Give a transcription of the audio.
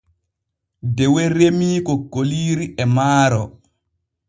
Dewe remii kokkoliiri e maaro.